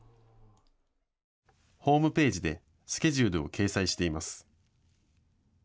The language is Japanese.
ホームページでスケジュールを掲載しています。